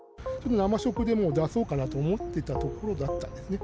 生食でも出そうかなと思っていたところだったんですね。